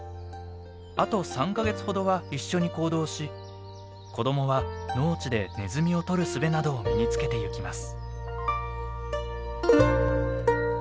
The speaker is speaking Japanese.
あと３か月ほどは一緒に行動し子どもは農地でネズミを捕るすべなどを身につけてゆきます。